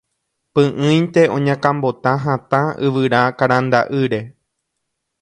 py'ỹinte oñakãmbota hatã yvyra karanda'ýre